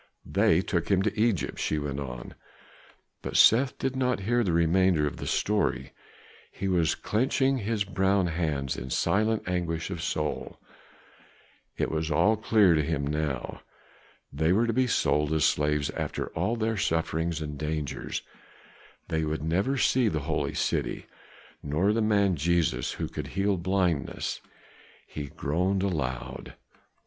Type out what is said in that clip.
"They took him to Egypt " she went on. But Seth did not hear the remainder of the story; he was clenching his brown hands in silent anguish of soul. It was all clear to him now. They were to be sold as slaves after all of their sufferings and dangers; they would never see the Holy City, nor the man Jesus who could heal blindness. He groaned aloud.